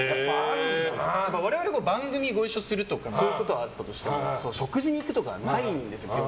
我々は番組でご一緒するとかそういうことはあったとしても食事に行くとかはないんですよ。